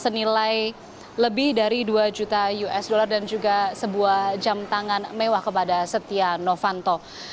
senilai lebih dari dua juta usd dan juga sebuah jam tangan mewah kepada setia novanto